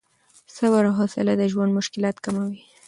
صبر او حوصله د ژوند مشکلات کموي.